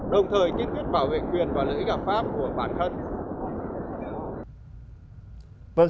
đồng thời kiên quyết bảo vệ quyền và lợi ích hợp pháp của bản thân